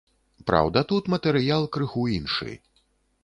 Праўда, тут матэрыял крыху іншы.